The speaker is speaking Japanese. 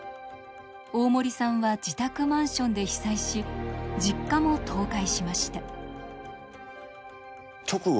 大森さんは自宅マンションで被災し実家も倒壊しました。